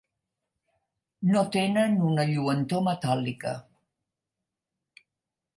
No tenen una lluentor metàl·lica.